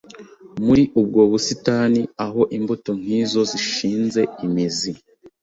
Muri ubwo busitani aho imbuto nk'izo zishinze imizi